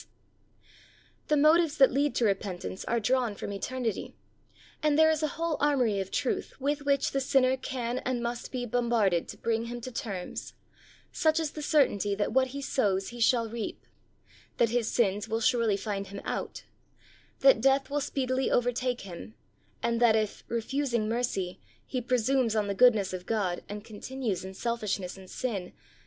SAVING TRUTH. Ill The motives that lead to repentance are drawn from eternity, and there is a whole armory of truth with which the sinner can and must be bombarded to bring him to terms, such as the certainty that what he sows he shall reap; that his sins will surely find him out; that death will speedily over take him; and that if, refusing mercy, he presumes on the goodness of God, and con tinues in selfishness and sin.